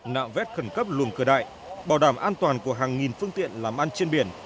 nạo vét khẩn cấp luồng cửa đại bảo đảm an toàn của hàng nghìn phương tiện làm ăn trên biển